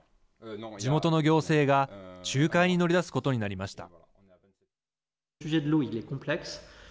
地元の行政が仲介に乗り出すことになりました。